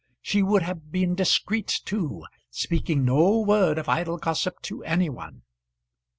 She would have been discreet too, speaking no word of idle gossip to any one.